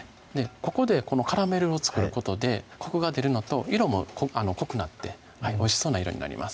ここでカラメルを作ることでコクが出るのと色も濃くなっておいしそうな色になります